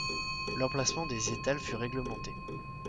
L'emplacement des étals fut réglementé.